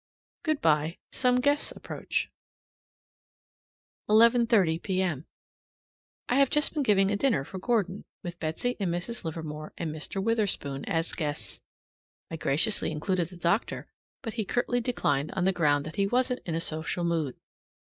Good by; some guests approach. 11:30 P.M. I have just been giving a dinner for Gordon, with Betsy and Mrs. Livermore and Mr. Witherspoon as guests. I graciously included the doctor, but he curtly declined on the ground that he wasn't in a social mood.